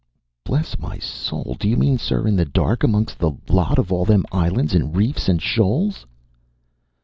"Bless my soul! Do you mean, sir, in the dark amongst the lot of all them islands and reefs and shoals?"